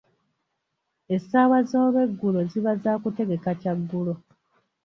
Essaawa z'olweggulo ziba za kutegeka kya ggulo.